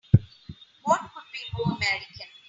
What could be more American!